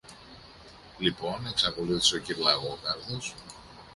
Λοιπόν, εξακολούθησε ο κυρ-Λαγόκαρδος